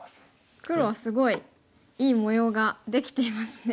黒はすごいいい模様ができていますね。